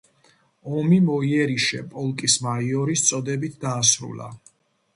ომი მოიერიშე პოლკის მაიორის წოდებით დაასრულა.